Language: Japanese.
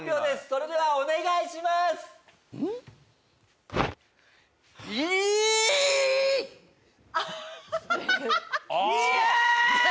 それではお願いしますいっ！